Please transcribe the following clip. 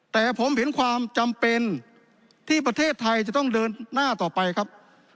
แต่ผมเห็นความจำเป็นที่ประเทศไทยจะต้องเดินหน้าต่อไปครับ